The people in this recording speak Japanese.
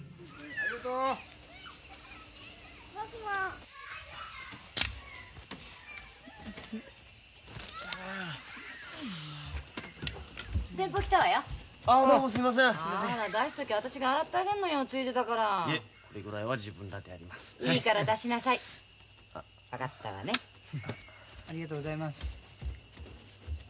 ありがとうございます。